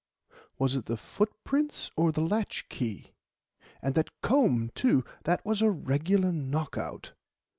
Was it the footprints or the latchkey? And that comb, too, that was a regular knock out."